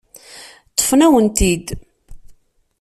Ṭṭfent-awen-ten-id.